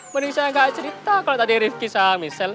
menurut saya gak ada cerita kalau tadi rifki sama michelle